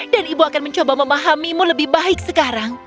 dan ibu akan mencoba memahamimu lebih baik sekarang